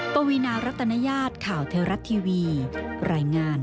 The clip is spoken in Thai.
ปวีนารัตนญาติข่าวเทวรัฐทีวีรายงาน